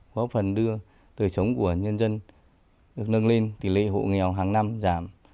có phần đưa thời sống của nhân dân được nâng lên tỷ lệ hộ nghèo hàng năm giảm